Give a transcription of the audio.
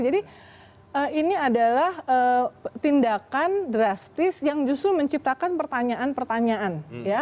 jadi ini adalah tindakan drastis yang justru menciptakan pertanyaan pertanyaan